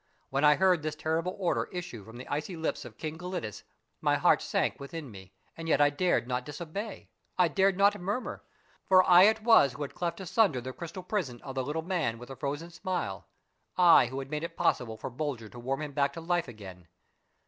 When I heard this terrible order issue from the icy lips of King Gelidus my heart sank within me, and yet I dared not disobey, I dared not murmur, for I it was who had cleft asunder the crystal prison of the Little Man with the Frozen Smile ; 1 who had made it possible for Bulger to warm him back to life again.